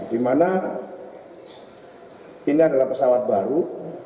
dimana ini adalah pesawat baru